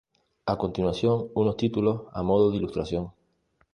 A continuación unos títulos a modo de ilustración.